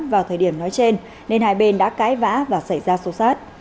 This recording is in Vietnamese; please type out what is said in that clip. vào thời điểm nói trên nên hai bên đã cãi vã và xảy ra xô xát